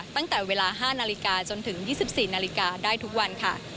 ตั้งแต่เวลา๕นาฬิกาจนถึง๒๔นาฬิกาได้ทุกวันค่ะ